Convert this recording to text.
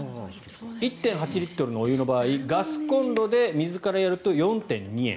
１．８リットルのお湯の場合ガスコンロでやると４．２円。